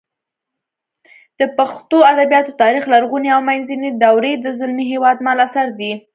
د پښتو ادبیاتو تاریخ لرغونې او منځنۍ دورې د زلمي هېوادمل اثر دی